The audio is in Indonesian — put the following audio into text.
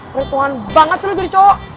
perhitungan banget sih lu dari cowok